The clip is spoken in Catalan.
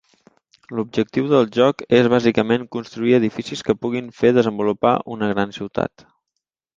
L'objectiu del joc és bàsicament construir edificis que puguin fer desenvolupar una gran ciutat.